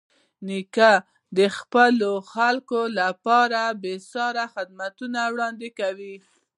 نیکه د خپلو خلکو لپاره بېساري خدمتونه وړاندې کوي.